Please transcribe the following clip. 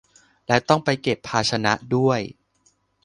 และต้องไปเก็บภาชนะด้วย